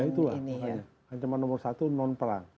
itulah ancaman nomor satu non perang